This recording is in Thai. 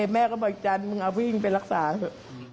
แม่ก็บอกอีกจานเอาพี่หญิงไปรักษาเถอะ